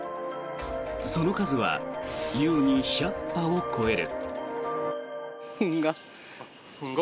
その数は優に１００羽を超える。